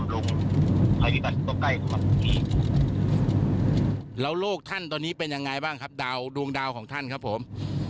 แล้วโลกท่านตอนนี้เป็นยังไงบ้างครับดาวดวงดาวของท่านครับผม